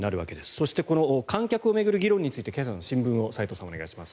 そして観客を巡る議論について今朝の新聞斎藤さんお願いします。